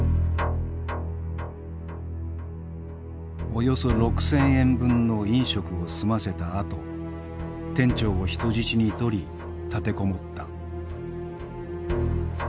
およそ６，０００円分の飲食を済ませたあと店長を人質に取り立てこもった。